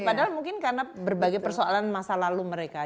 padahal mungkin karena berbagai persoalan masa lalu mereka